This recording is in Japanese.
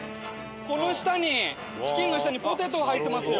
この下にチキンの下にポテトが入ってますよ！